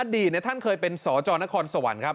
อดีตเนี่ยท่านเคยเป็นสจนครสวรรค์ครับ